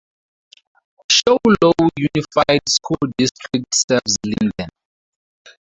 Show Low Unified School District serves Linden.